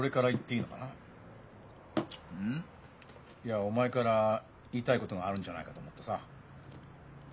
いやお前から言いたいことがあるんじゃないかと思ってさ。